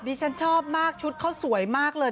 ฉันชอบมากชุดเขาสวยมากเลย